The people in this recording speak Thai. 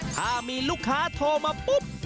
ถ้ามีลูกค้าโทรมาปุ๊บ